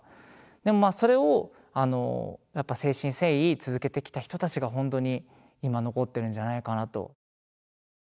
でもまあそれをあのやっぱ誠心誠意続けてきた人たちがほんとに今残ってるんじゃないかなと。